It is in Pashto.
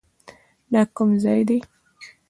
دا کوم ځاى دى.